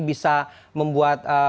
bisa membuat kekurangan